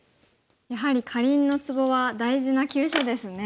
やはりカリンのツボは大事な急所ですね。